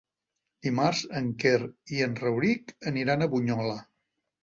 Dimarts en Quer i en Rauric aniran a Bunyola.